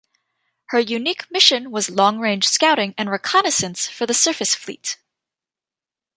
Her unique mission was long-range scouting and reconnaissance for the surface fleet.